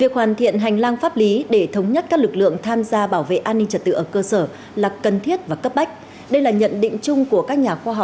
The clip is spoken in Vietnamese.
hãy đăng ký kênh để ủng hộ kênh của chúng mình nhé